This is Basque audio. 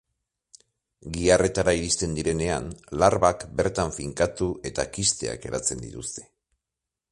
Giharretara iristen direnean, larbak bertan finkatu eta kisteak eratzen dituzte.